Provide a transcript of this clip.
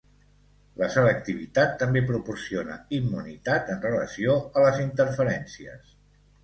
La selectivitat també proporciona immunitat en relació a les interferències.